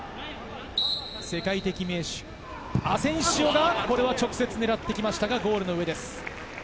世界的名手、アセンシオが直接狙ってきましたがゴールの上です。